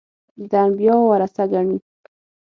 د انبیاوو ورثه ګڼي.